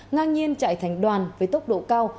ngang nhiên chạy thành đoàn với tốc độ cao